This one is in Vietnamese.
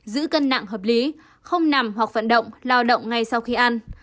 giữ cân nặng hợp lý không nằm hoặc vận động lao động ngay sau khi ăn